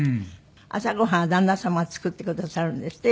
朝ごはんは旦那様が作ってくださるんですって？